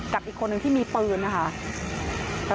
กับอีกคนนึงที่มีปืนนะคะ